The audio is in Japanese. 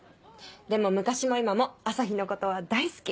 でも昔も今も朝陽のことは大好き。